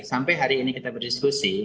sampai hari ini kita berdiskusi